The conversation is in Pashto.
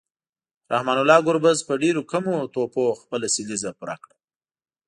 رحمان الله ګربز په ډیرو کمو توپونو خپله سلیزه پوره کړه